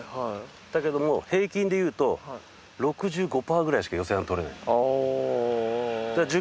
だけども平均でいうと６５％くらいしか寄せワン取れない。